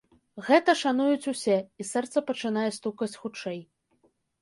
Гэта шануюць усе, і сэрца пачынае стукаць хутчэй.